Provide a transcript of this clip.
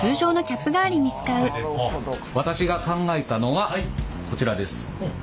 私が考えたのはこちらです。